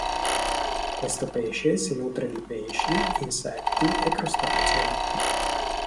Questo pesce si nutre di pesci, insetti e crostacei.